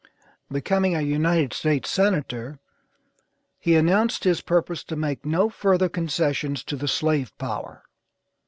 Becoming a United States Senator, he announced his purpose to make no further concessions to the slave power.